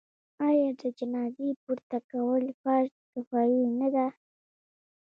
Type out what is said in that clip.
آیا د جنازې پورته کول فرض کفایي نه دی؟